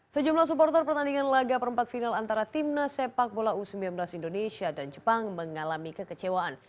sejumlah supporter pertandingan laga perempat final antara timnas sepak bola u sembilan belas indonesia dan jepang mengalami kekecewaan